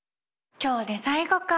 今日で最後か。